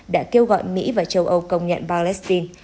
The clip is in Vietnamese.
đã kêu gọi mỹ và châu âu công nhận palestine